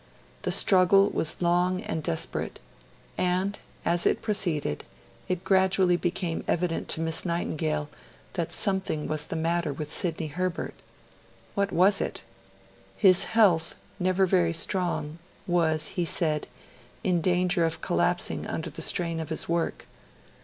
The struggle was long, and desperate; and, as it proceeded, it gradually became evident to Miss Nightingale that something was the matter with Sidney Herbert. What was it? His health, never very strong, was, he said, in danger of collapsing under the strain of his work.